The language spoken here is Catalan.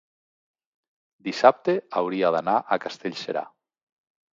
dissabte hauria d'anar a Castellserà.